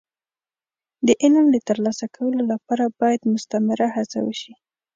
د علم د ترلاسه کولو لپاره باید مستمره هڅه وشي.